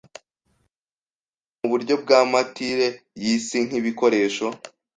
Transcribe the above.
imiyoboro muburyo bwa mantile yisi nkibikoresho